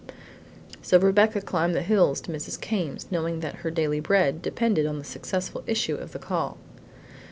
So Rebecca climbed the hills to Mrs. Came's, knowing that her daily bread depended on the successful issue of the call.